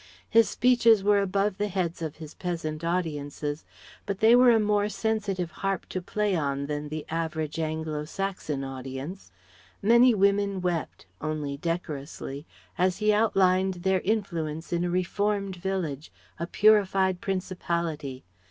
His speeches were above the heads of his peasant audiences; but they were a more sensitive harp to play on than the average Anglo Saxon audience. Many women wept, only decorously, as he outlined their influence in a reformed village, a purified Principality.